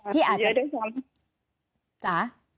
ที่อาจจะ